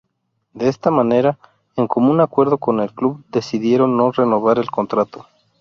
De esta manera, en común acuerdo con el club decidieron no renovar el contrato.